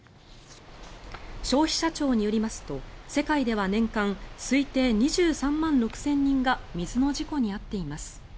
消費者庁によりますと、世界では年間推定２３万６０００人が水の事故に遭っています。